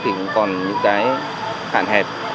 thì còn những cái hạn hẹp